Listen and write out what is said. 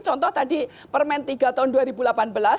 contoh tadi permen tiga tahun dua ribu delapan belas